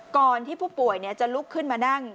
ก่อนที่ผู้ป่วยจะลุกขึ้นมานั่ง